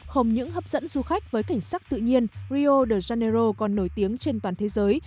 không những hấp dẫn du khách với cảnh sắc tự nhiên rio de janeiro còn nổi tiếng trên toàn thế giới